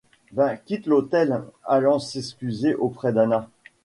Ben quitte l’hôtel, allant s’excuser auprès d'Anna.